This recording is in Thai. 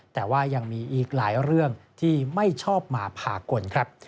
แต่ว่ายังมีอีกหลายเรื่องที่ไม่ชอบมาพากลครับ